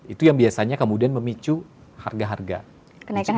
itu yang biasanya kemudian memicu harga harga